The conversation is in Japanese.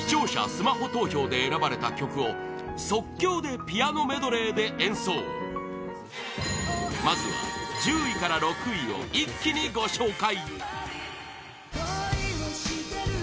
スマホ投票で選ばれた曲を即興でピアノメドレーで演奏まずは１０位から６位を一気にご紹介！